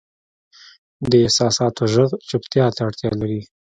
د احساساتو ږغ چوپتیا ته اړتیا لري.